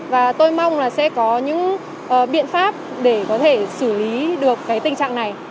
và tôi mong là sẽ có những biện pháp để có thể xử lý được cái tình trạng này